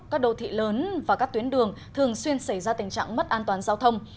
các đô thị lớn và các tuyến đường thường xuyên xảy ra tình trạng mất an toàn giao thông